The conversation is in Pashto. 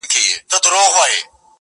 لمر لوېدلی وو هوا تیاره کېدله -